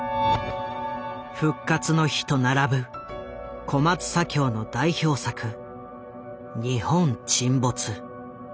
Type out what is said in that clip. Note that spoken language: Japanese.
「復活の日」と並ぶ小松左京の代表作「日本沈没」。